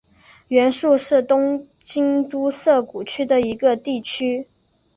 原宿是东京都涩谷区的一个地区。